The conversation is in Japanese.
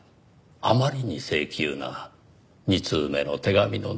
あまりに性急な２通目の手紙の内容に。